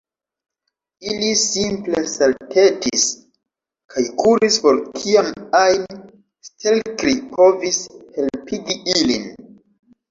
Ili simple saltetis kaj kuris for kiam ajn Stelkri provis helpigi ilin.